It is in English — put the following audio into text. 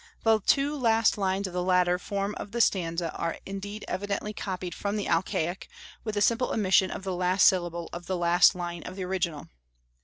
The two last lines of the latter form of the stanza are indeed evidently copied from the Alcaic, with the simple omission of the last syllable of the last line of the original.